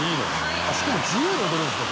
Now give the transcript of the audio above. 田渕）しかも自由に踊るんですか？